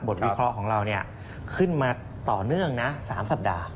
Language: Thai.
วิเคราะห์ของเราขึ้นมาต่อเนื่องนะ๓สัปดาห์